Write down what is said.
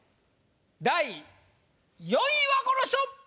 第４位はこの人！